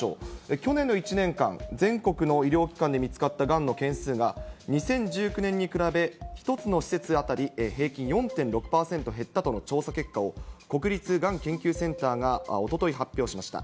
去年の１年間、全国の医療機関で見つかったがんの件数が、２０１９年に比べ、１つの施設当たり平均４．６％減ったとの調査結果を、国立がん研究センターがおととい発表しました。